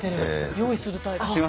用意するタイプ。